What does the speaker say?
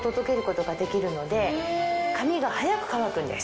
髪が早く乾くんです。